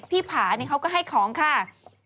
พี่ผ่านเขาก็ให้ของค่ะ